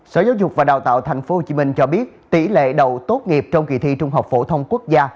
sở giáo dục và đào tạo tp hcm cho biết tỷ lệ đậu tốt nghiệp trong kỳ thi trung học phổ thông quốc gia